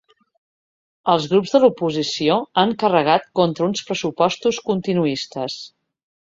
Els grups de l’oposició han carregat contra uns pressupostos ‘continuistes’.